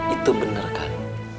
itu bener kan